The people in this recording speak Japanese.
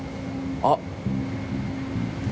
あっ。